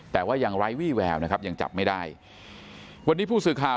แต่ว่ายังไร้วี่แววนะครับยังจับไม่ได้วันนี้ผู้สื่อข่าว